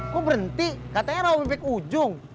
kok berhenti katanya rawat rawat ujung